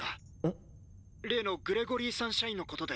っ⁉例のグレゴリー・サンシャインのことで。